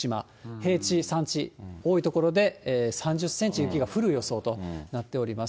平地、山地、多い所で３０センチ雪が降る予想となっています。